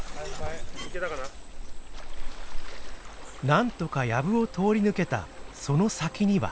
なんとかやぶを通り抜けたその先には。